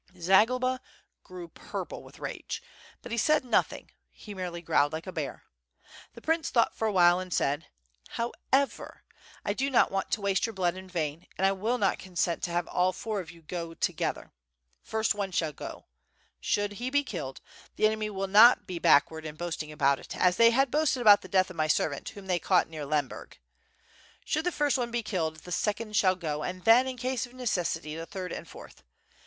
Zagloba grew purple with rage, but he said nothing he merely growled like a bear. The prince thought for a while and said: "However, gentlemen, I do not want to waste your blood in vain, and I will not consent to have all four of you go together. First one shall go; should he be killed, the enemy will not be backward in boasting about it, aa they had boasted about the death of my servant, whom they caught near Lemberg. Should the first one be killed, the second shall go, and then, in case of necessity, the third and fourth.